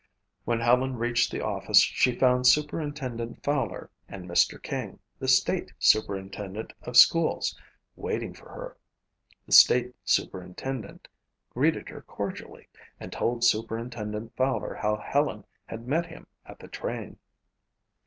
When Helen reached the office she found Superintendent Fowler and Mr. King, the state superintendent of schools, waiting for her. The state superintendent greeted her cordially and told Superintendent Fowler how Helen had met him at the train.